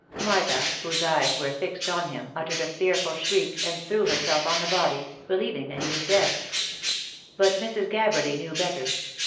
Martha, whose eyes were fixed upon him, uttered a fearful shriek, and threw herself on the body, believing that he was dead. But Mrs. Gabberly knew better.